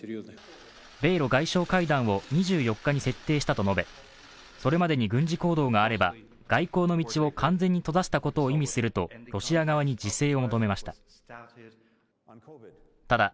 米ロ外相会談を２４日に設定したと述べそれまでに軍事行動があれば外交の道を完全に閉ざしたことを意味するとロシア側に自制を求めました。